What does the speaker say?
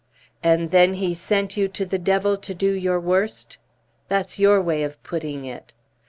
"And then he sent you to the devil to do your worst?" "That's your way of putting it."